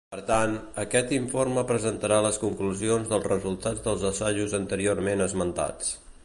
Per tant, aquest informe presentarà les conclusions dels resultats dels assajos anteriorment esmentats.